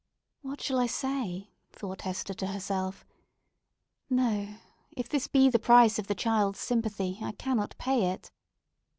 "What shall I say?" thought Hester to herself. "No! if this be the price of the child's sympathy, I cannot pay it."